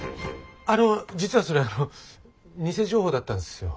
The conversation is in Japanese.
あの実はそれ偽情報だったんですよ。